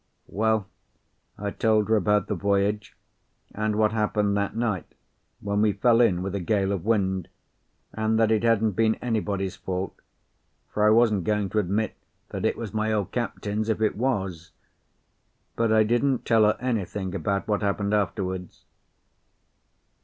Well, I told her about the voyage and what happened that night when we fell in with a gale of wind, and that it hadn't been anybody's fault, for I wasn't going to admit that it was my old captain's, if it was. But I didn't tell her anything about what happened afterwards.